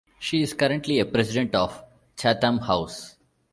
She is currently a president of Chatham House.